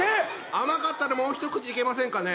甘かったんでもう一口いけませんかね？